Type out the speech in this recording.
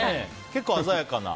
結構、鮮やかな？